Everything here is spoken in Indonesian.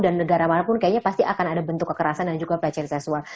dan negara manapun kayaknya pasti akan ada bentuk kekerasan dan juga pelecehan seksual